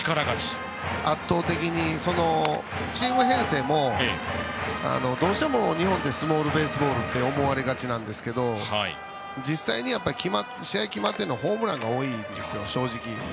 圧倒的にチーム編成もどうしても、日本ってスモールベースボールって思われがちですが実際に試合が決まってるのはホームランが多いんですよ、正直。